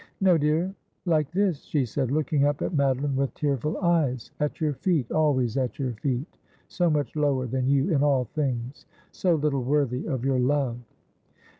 ' No, dear ; like this,' she said, looking up at Madeline with tearful eyes ;' at your feet — always at your feet ; so much lower than you in all things — so little worthy of your love.'